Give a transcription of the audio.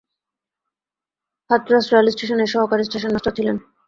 Hathras rail ষ্টেশনে সহকারী station master ছিলেন।